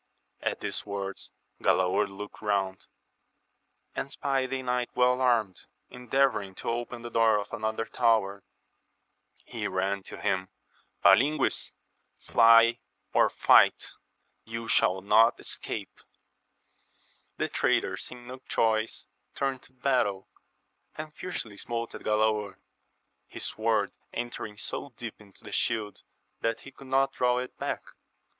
At these words Galaor looked round, and espied a knight • well armed, endeavouring to open the door of another tower. He ran to him, — ^Paiiagoa^ ^^ ox ^^a^» \"^^"^ 152 AMADI8 OF GAUL. shall not escape ! The traitor seeing no choice turned to battle, and fiercely smote at Galaor, his sword entering so deep into the shield that he could not draw it back.